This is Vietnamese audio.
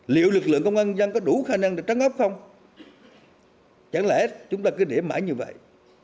liệu lực lượng công an dân có đủ khả năng để trắng ấp không chẳng lẽ chúng ta cứ để mãi như vậy